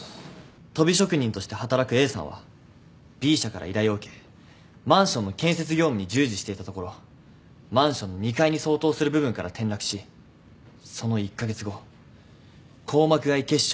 とび職人として働くＡさんはＢ社から依頼を受けマンションの建設業務に従事していたところマンションの２階に相当する部分から転落しその１カ月後硬膜外血腫を起こし急死しました。